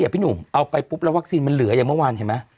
พี่หนุ่มเอาไปปุ๊บวัคซีนมันเหลืออังกฎฐานเหรอ